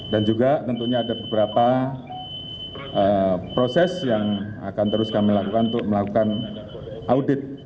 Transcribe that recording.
dan juga tentunya ada beberapa proses yang akan terus kami lakukan untuk melakukan audit